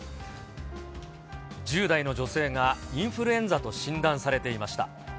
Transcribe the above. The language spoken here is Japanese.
１０代の女性が、インフルエンザと診断されていました。